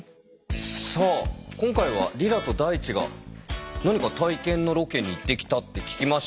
さあ今回はリラとダイチが何か体験のロケに行ってきたって聞きました。